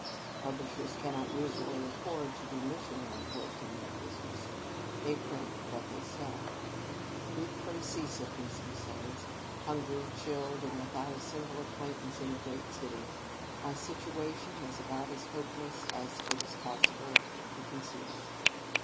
Publishers cannot usually afford to do missionary work in their business; they print what will sell. "Weak from sea sickness," he says, "hungry, chilled, and without a single acquaintance in the great city, my situation was about as hopeless as it is possible to conceive."